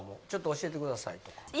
ちょっと教えてくださいとか。